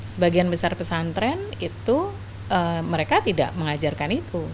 sebagian besar pesantren itu mereka tidak mengajarkan itu